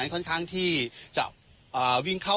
ค่อนข้างที่จะวิ่งเข้า